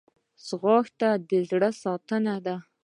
ځغاسته د زړه ساتنه ده